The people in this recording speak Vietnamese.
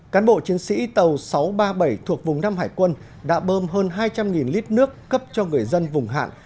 cán bộ chiến sĩ tàu sáu trăm ba mươi bảy thuộc vùng nam hải quân đã bơm hơn hai trăm linh lít nước cấp cho người dân vùng hạn